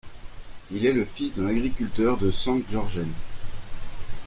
Il est le fils d'un agriculteur de Sankt Georgen.